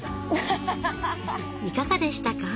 いかがでしたか？